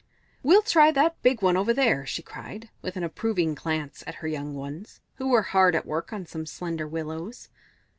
"We'll try that big one over there," she cried, with an approving glance at her young ones, who were hard at work on some slender willows.